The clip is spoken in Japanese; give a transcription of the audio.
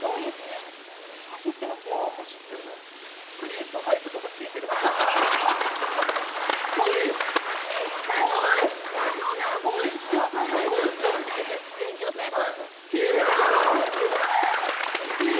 クリープハイプとかきいてるっぽい。